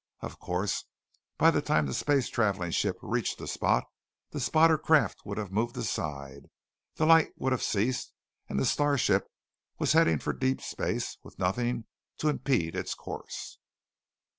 Of course, by the time the space travelling ship reached the spot, the spotter craft would have moved aside; the light would have ceased, and the star ship was heading for deep space with nothing to impede its course.